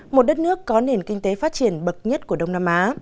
một đất nước có nền kinh tế phát triển bậc nhất của đông nam á